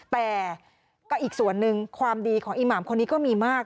แต่ก็อีกส่วนหนึ่งความดีของอีหมามคนนี้ก็มีมาก